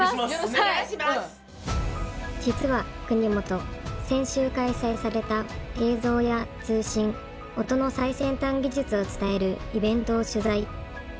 実は国本先週開催された映像や通信音の最先端技術を伝えるイベントを取材。